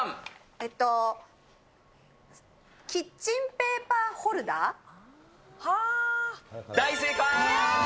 えっと、キッチンペーパーホ大正解！